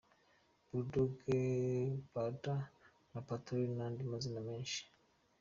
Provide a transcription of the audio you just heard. Bull Dogg, Budha, El Patrone n'andi mazina menshi.